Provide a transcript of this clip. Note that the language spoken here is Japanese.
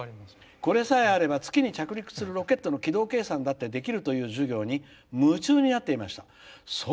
「これさえあれば月に着陸するロケットの軌道計算だってできるという授業に夢中になっていました」。